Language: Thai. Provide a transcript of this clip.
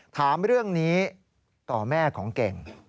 ถามเรื่องนี้ต่อแม่ของเก่ง